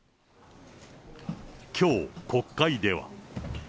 きょう、国会では。